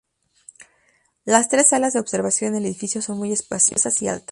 Las tres salas de observación en el edificio son muy espaciosas y altas.